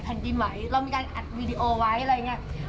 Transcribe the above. แผ่นดินไหมเรามีการอัดวิดีโอไว้อะไรอย่างนี้